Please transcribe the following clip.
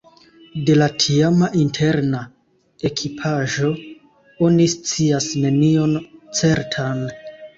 De la tiama interna ekipaĵo oni scias nenion certan.